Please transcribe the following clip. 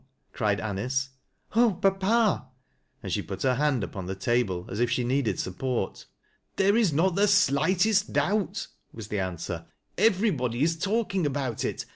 cried Anice. "Oh! papa," and sh pat her hand upon the table as if she needed support. " There is not the slightest doubt," was the answer, " everybod}' is talking about it.